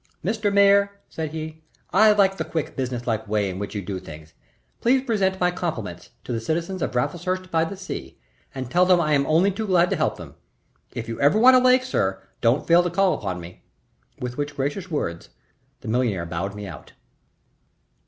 "Mr. Mayor," said he, "I like the quick, business like way in which you do things. Pray present my compliments to the citizens of Raffleshurst by the Sea, and tell them I am only too glad to help them. If you ever want a lake, sir, don't fail to call upon me." With which gracious words the millionaire bowed me out.